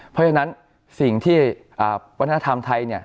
เพราะฉะนั้นสิ่งที่วัฒนธรรมไทย